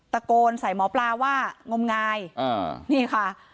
ตะโกนใส่หมอปลาว่างมงายอ่านี่ค่ะ